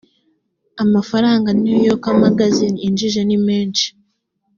amafaranga new yorker magazine injije nimenci